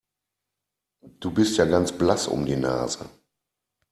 Du bist ja ganz blass um die Nase.